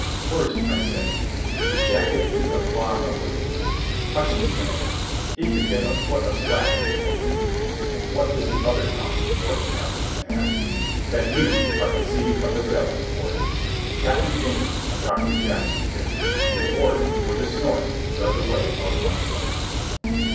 "First," I said, "the jacket is abominably loose. Hutchins is an ass. He could get a foot of slack if he wanted." "What is the other count?" Warden Atherton asked. "That you are conceived of the devil, Warden." Captain Jamie and Doctor Jackson tittered, and the Warden, with a snort, led the way out of my cell.